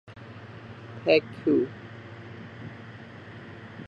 Paektu.